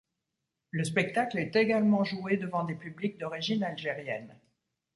Le spectacle est également joué devant des publics d'origine algérienne.